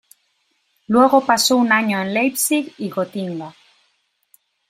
Luego pasó un año en Leipzig y Gotinga.